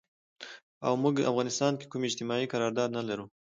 او مونږ افغانستان کې کوم اجتماعي قرارداد نه لرو